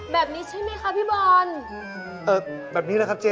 แบบนี้ใช่ไหมคะพี่บอลเออแบบนี้แหละครับเจ๊